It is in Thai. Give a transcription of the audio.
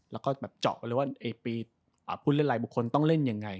แล้วก็แบบเจาะเลยว่าพูดเรื่องไรบุคคลต้องเล่นยังไง